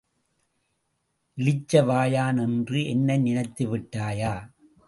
இளிச்சவாயன் என்று என்னை நினைத்துவிட்டாயா?